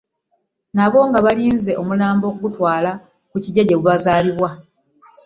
Nabo nga balinze omulambo okugutwala ku kiggya gye bazaalibwa.